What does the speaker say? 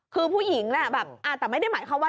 คือผู้หญิงแหละแบบแต่ไม่ได้หมายความว่า